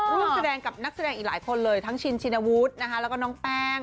ร่วมแสดงกับนักแสดงอีกหลายคนเลยทั้งชินชินวุฒินะคะแล้วก็น้องแป้ง